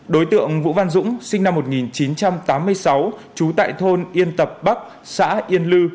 đối tượng vũ văn dũng sinh năm một nghìn chín trăm tám mươi sáu trú tại thôn yên tập bắc xã yên lư